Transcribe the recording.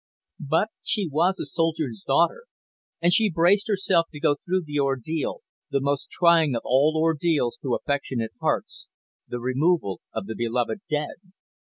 But she was a soldier's daughter, and she braced herself to go through the ordeal, the most trying of all ordeals to affectionate hearts, the removal of the beloved dead.